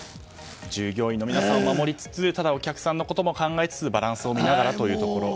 従業員の皆さんを守りつつただ、お客さんのことも考えつつバランスを見ながらと。